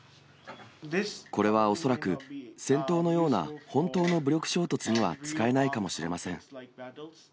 これは恐らく戦闘のような本当の武力衝突には使えないかもしれません。